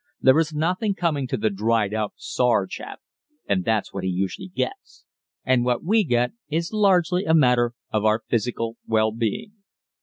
There is nothing coming to the dried up, sour chap, and that's what he usually gets. And what we get is largely a matter of our physical well being.